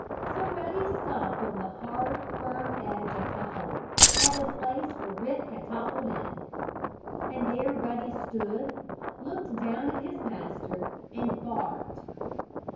So Ruddy stopped on the hard, firm edge of the hole, at the place where Rick had toppled in. And there Ruddy stood, looked down at his master, and barked.